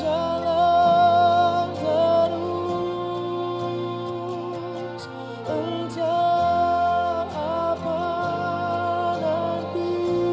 jangan terus entah apa nanti